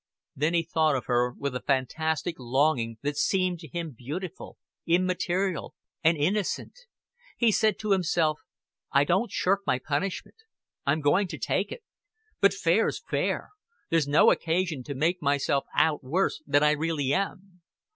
Then he thought of her with a fantastic longing that seemed to him beautiful, immaterial, and innocent. He said to himself, "I don't shirk my punishment. I'm going to take it. But fair's fair There's no occasion to make myself out worse than I really am.